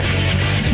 dan setelah ini